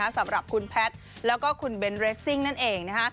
สำหรับคุณแพทรและเบ้นต์เรซซิงนั่นเอง